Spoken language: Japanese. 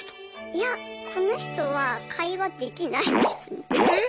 いやこの人は会話できないです。